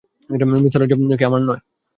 মিসর রাজ্য কি আমার নয়?